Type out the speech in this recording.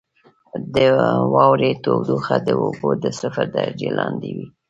• د واورې تودوخه د اوبو د صفر درجې لاندې وي.